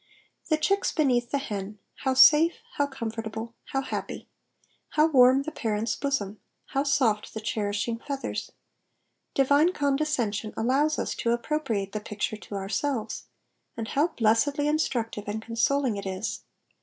The chicks beneath the hen how safe, how comfortable, how happy ! How warm the parent's bosom I How soft the cherishing feathers I Divine condescension allows us to appropriate the picture to ourselves, and how blessedly instructive and consoling it is